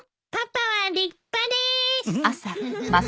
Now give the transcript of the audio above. パパは立派でーす！